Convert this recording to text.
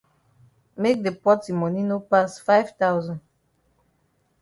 Make the pot yi moni no pass five thousand.